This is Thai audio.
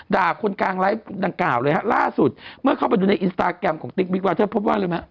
คนกลางไลฟ์ดังกล่าวเลยฮะล่าสุดเมื่อเข้าไปดูในอินสตาแกรมของติ๊กบิ๊กวาเทอร์พบว่ารู้ไหม